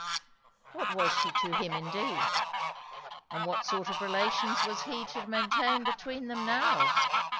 What was she to him indeed? And what sort of relations was he to maintain between them now?